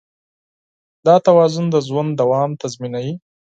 دا توازن د ژوند دوام تضمینوي.